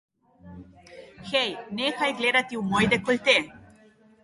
Hej, nehaj gledati v moj dekolte!